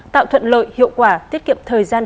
tạo thuận lợi hiệu quả tiết kiệm thời gian